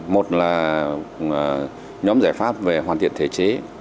một là nhóm giải pháp về hoàn thiện thể chế